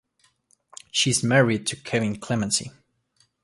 She is married to Kevin Clemency.